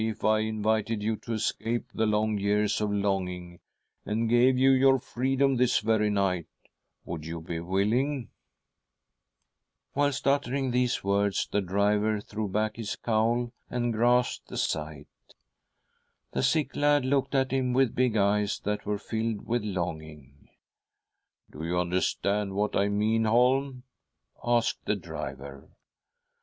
If I invited you to escape the long years of longing and gave you your freedom this very night, would you be willing ?" Whilst uttering these words, the driver threw back his cowl and .grasped the scythe. Fw t ■"4 ,;r; 162 THY SOUL SHALL, BEAR WITNESS 1 . The sick lad looked at him with big eyes that were filled with longing. "Do you understand what I mean, Holm?" asked the driver.